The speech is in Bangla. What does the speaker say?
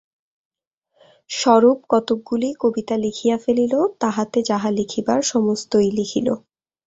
স্বরূপ কতকগুলি কবিতা লিখিয়া ফেলিল, তাহাতে যাহা লিখিবার সমস্তই লিখিল।